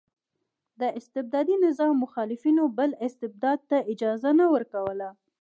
د استبدادي نظام مخالفینو بل استبداد ته اجازه نه ورکوله.